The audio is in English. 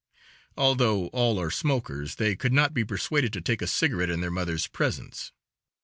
Although all are smokers they could not be persuaded to take a cigarette in their mother's presence.